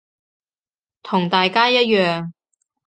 同大家一樣